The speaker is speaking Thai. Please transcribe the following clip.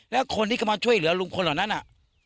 แล้วคนที่เข้ามาช่วยเหลือลุงพลเหล่านั้นน่ะ